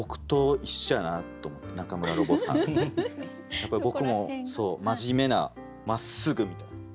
やっぱり僕も真面目なまっすぐみたいな。